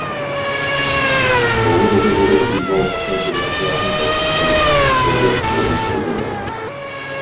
Dlouhodobě vilu obýval také gymnaziální profesor Josef Sturm s rodinou.